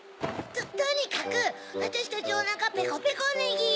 とにかくわたしたちおなかペコペコネギ！